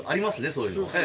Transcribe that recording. そういうの。